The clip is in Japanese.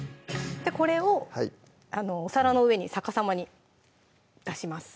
これをお皿の上に逆さまに出します